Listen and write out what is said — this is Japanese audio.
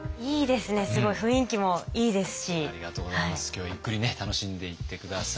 今日はゆっくり楽しんでいって下さい。